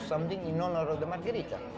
untuk menghormati pizza margarita